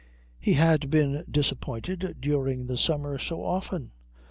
He had been disappointed during the summer so often.